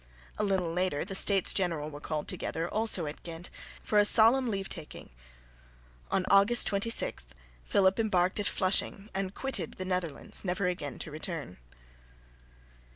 A little later the States General were called together, also at Ghent, for a solemn leave taking. On August 26, Philip embarked at Flushing, and quitted the Netherlands, never again to return.